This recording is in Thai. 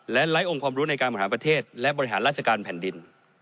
และไร้องค์ความรู้ในการบริหารประเทศและบริหารราชการแผ่นดิน